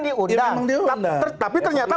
diundang tapi ternyata